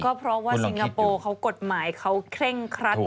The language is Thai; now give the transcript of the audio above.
ก็เพราะว่าสิงคโปร์เขากฎหมายเขาเคร่งครัด